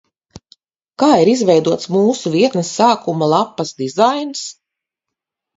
Kā ir izveidots mūsu vietnes sākuma lapas dizains?